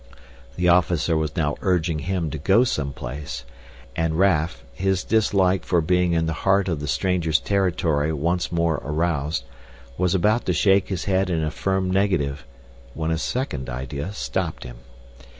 The officer was now urging him to go some place, and Raf, his dislike for being in the heart of the strangers' territory once more aroused, was about to shake his head in a firm negative when a second idea stopped him.